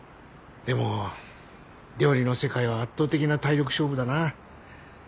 でも料理の世界は圧倒的な体力勝負だな。